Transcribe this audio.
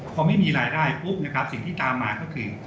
พอไม่มีรายได้ปุ๊บนะครับสิ่งที่ตามมาก็คือ